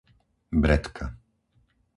Bretka